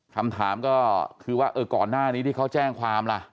คำถามก็คือว่าก่อนหน้านี้ที่เขาแจ้งความล่ะ